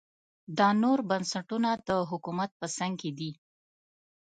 دا نور بنسټونه د حکومت په څنګ دي.